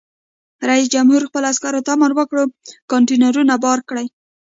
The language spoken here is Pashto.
رئیس جمهور خپلو عسکرو ته امر وکړ؛ کانټینرونه بار کړئ!